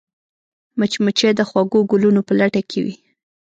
مچمچۍ د خوږو ګلونو په لټه کې وي